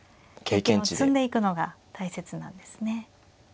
経験を積んでいくのが大切なんですね。